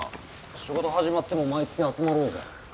仕事始まっても毎月集まろうぜ。